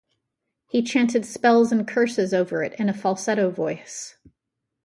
He chanted spells and curses over it in a falsetto voice.